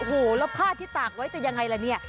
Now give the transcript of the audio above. โอ้โหแล้วผ้าที่ตากไว้จะยังไงล่ะเนี่ย